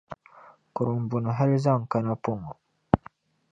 kurimbuni hal zaŋ kana pɔŋɔ.